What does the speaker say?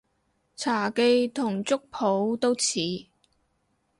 茶記同粥舖都似